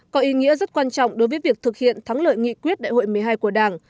có ý nghĩa rất quan trọng đối với việc thực hiện thắng lợi nghị quyết đại hội một mươi hai của đảng